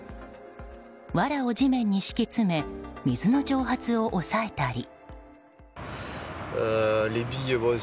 わらを地面に敷き詰め水の蒸発を抑えたり。